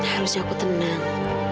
harusnya aku tenang